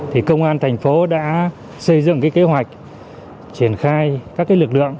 thì công an thành phố đã xây dựng cái kế hoạch triển khai các lực lượng